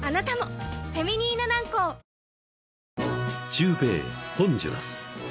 ［中米ホンジュラス］